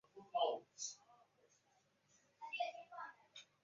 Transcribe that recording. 四指蝠属。